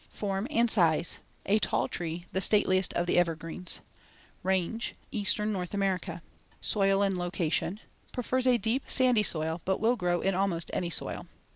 Form and size: A tall tree, the stateliest of the evergreens. Range: Eastern North America. Soil and location: Prefers a deep, sandy soil, but will grow in almost any soil.